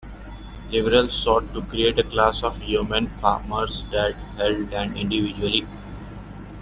Liberals sought to create a class of yeoman farmers that held land individually.